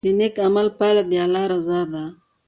د نیک عمل پایله د الله رضا ده.